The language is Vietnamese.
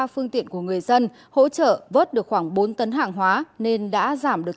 ba phương tiện của người dân hỗ trợ vớt được khoảng bốn tấn hàng hóa nên đã giảm được